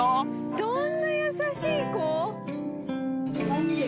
どんな優しい子！